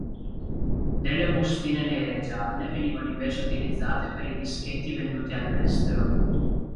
Delle bustine nere e gialle venivano invece utilizzate per i dischetti venduti all'estero.